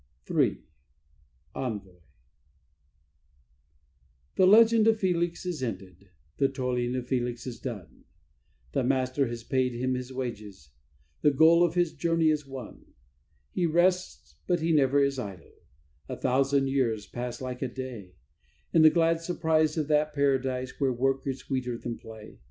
_" III ENVOY The legend of Felix is ended, the toiling of Felix is done; The Master has paid him his wages, the goal of his journey is won; He rests, but he never is idle; a thousand years pass like a day, In the glad surprise of that Paradise where work is sweeter than play.